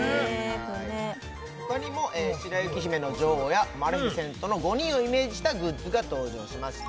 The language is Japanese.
これねほかにも「白雪姫」の女王やマレフィセントの５人をイメージしたグッズが登場しました